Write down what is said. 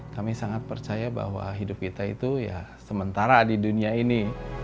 kami sangat percaya bahwa hidup kita itu ya sementara di dunia ini